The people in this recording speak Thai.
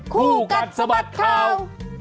คู่กัดสะบัดข่าว